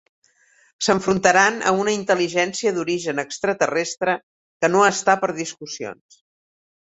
S'enfrontaran a una intel·ligència d'origen extraterrestre que no està per discussions.